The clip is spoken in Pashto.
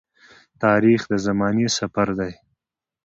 تاریخ د زمانې سفر دی.